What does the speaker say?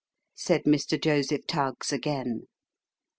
" said Mr. Joseph Tuggs again.